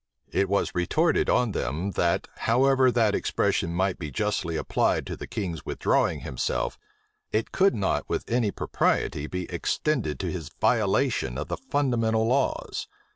It was retorted on them, that, however that expression might be justly applied to the king's withdrawing himself, it could not with any propriety be extended to his violation of the fundamental laws.